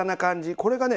これがね